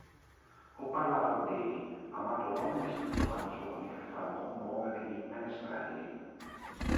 Ho parlato a dèi, amato donne e scritto canzoni che fanno commuovere i menestrelli.